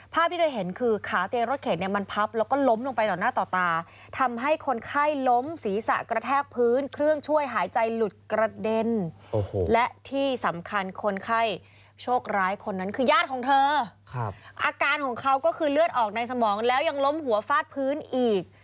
ที่เธอเห็นคือขาเตียงรถเข็นเนี่ยมันพับแล้วก็ล้มลงไปต่อหน้าต่อตาทำให้คนไข้ล้มศีรษะกระแทกพื้นเครื่องช่วยหายใจหลุดกระเด็นและที่สำคัญคนไข้โชคร้ายคนนั้นคือญาติของเธออาการของเขาก็คือเลือดออกในสมองแล้วยังล้มหัวฟาดพื้นอีก